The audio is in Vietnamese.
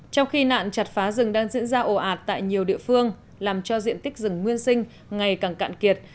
trong khi nạn chặt phá rừng đang diễn ra ồ ạt tại nhiều địa phương làm cho diện tích rừng nguyên sinh ngày càng cạn kiệt